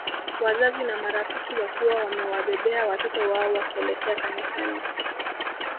Wazazi na marafiki wakiwa wamewabeba watoto wao wakielekea Kanisani